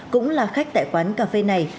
cũng là khách tại quán cà phê này